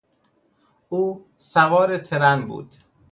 او سوار ترن بود.